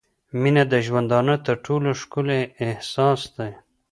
• مینه د ژوندانه تر ټولو ښکلی احساس دی.